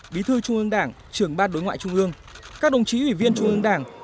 bí thư trung ương đảng trưởng bát đối ngoại trung ương các đồng chí ủy viên trung ương đảng